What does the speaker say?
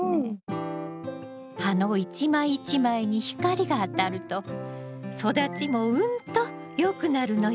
葉の一枚一枚に光が当たると育ちもうんとよくなるのよ。